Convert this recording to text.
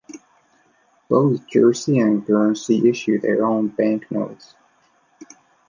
Both Jersey and Guernsey issue their own banknotes.